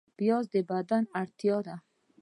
پیاز د بدن اړتیا ده